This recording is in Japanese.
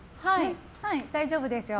はい、大丈夫ですよ。